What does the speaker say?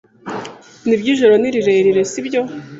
Nibyo, ijoro ni rirerire, sibyo?